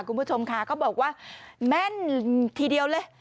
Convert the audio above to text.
คุณผู้ชมค่ะก็บอกว่าแม่นทีเดียวเลย